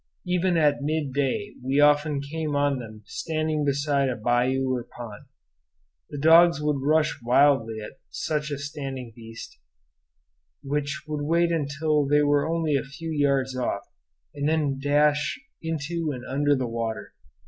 Even at midday we often came on them standing beside a bayou or pond. The dogs would rush wildly at such a standing beast, which would wait until they were only a few yards off and then dash into and under the water.